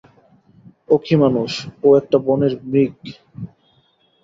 ও কি মানুষ, ও একটা বনের মৃগ।